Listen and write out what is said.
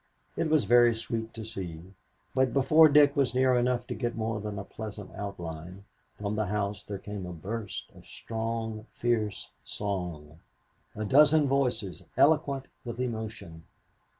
It was very sweet to see, but before Dick was near enough to get more than a pleasant outline, from the house there came a burst of strong, fierce song a dozen voices, eloquent with emotion.